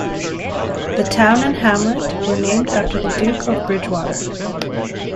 The town and hamlet were named after the Duke of Bridgewater.